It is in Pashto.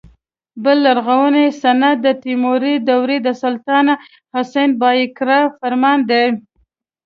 بل لرغونی سند د تیموري دورې د سلطان حسن بایقرا فرمان دی.